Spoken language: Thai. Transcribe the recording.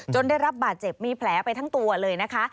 ได้รับบาดเจ็บมีแผลไปทั้งตัวเลยนะคะ